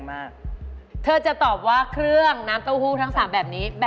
อาหารครีม